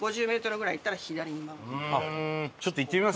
ちょっと行ってみます